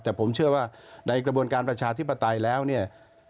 แต่ผมเชื่อว่าในกระบวนการประชาธิปไตยแล้วเนี่ย